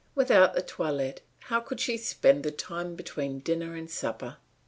Without the toilet how would she spend the time between dinner and supper.